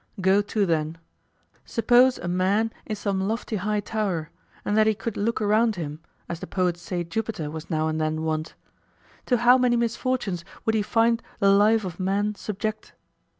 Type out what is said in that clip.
Go to then. Suppose a man in some lofty high tower, and that he could look round him, as the poets say Jupiter was now and then wont. To how many misfortunes would he find the life of man subject?